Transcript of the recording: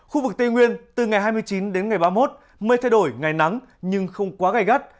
khu vực tây nguyên từ ngày hai mươi chín đến ngày ba mươi một mây thay đổi ngày nắng nhưng không quá gai gắt